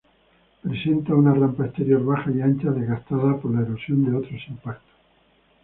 Presenta una rampa exterior baja y ancha, desgastada por la erosión de otros impactos.